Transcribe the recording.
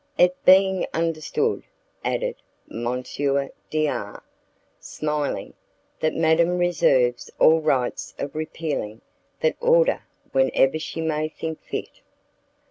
"It being understood," added M. D R , smiling, "that madam reserves all rights of repealing that order whenever she may think fit."